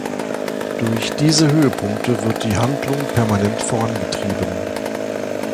Durch diese Höhepunkte wird die Handlung permanent vorangetrieben.